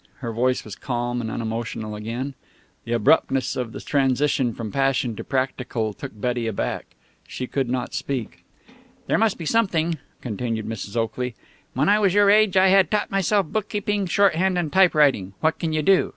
Her voice was calm and unemotional again. The abruptness of the transition from passion to the practical took Betty aback. She could not speak. "There must be something," continued Mrs. Oakley. "When I was your age I had taught myself bookkeeping, shorthand, and typewriting. What can you do?